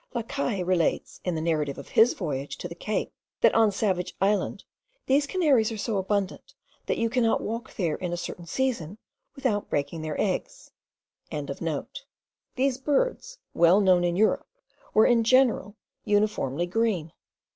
La Caille relates, in the narrative of his voyage to the Cape, that on Salvage Island these canaries are so abundant, that you cannot walk there in a certain season without breaking their eggs.) These birds, well known in Europe, were in general uniformly green.